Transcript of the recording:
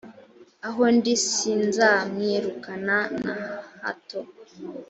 aho ndi sinzamwirukana na hato